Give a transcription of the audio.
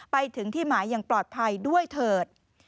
ไปถึงที่หมายอย่างปลอดภัยด้วยเถิด